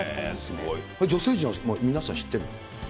女性陣は皆さん知ってるの？